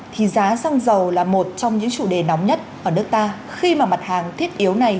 thì giá xăng dầu là một trong những chủ đề nóng nhất ở nước ta khi mà mặt hàng thiết yếu này